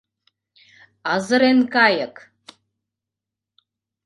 — Азырен кайык!..